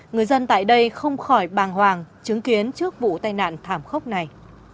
người dân tại đây không khỏi bàng hoàng chứng kiến trước vụ tai nạn thảm khốc này